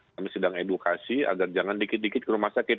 kami sedang edukasi agar jangan dikit dikit ke rumah sakit